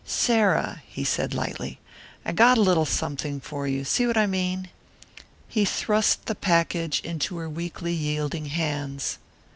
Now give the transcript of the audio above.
"Sarah," he said lightly, "I got a little something for you see what I mean?" He thrust the package into her weakly yielding hands.